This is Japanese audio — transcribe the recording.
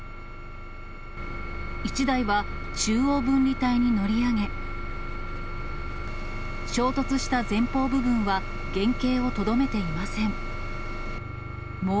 １台は中央分離帯に乗り上げ、衝突した前方部分は原形をとどめていません。